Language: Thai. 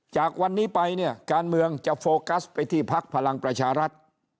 จากวันนี้ไปเนี่ยการเมืองจะโฟกัสไปที่พักพลังประชารัฐ